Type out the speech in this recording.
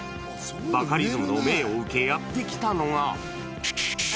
バカリズムの命を受け、やって来たのが。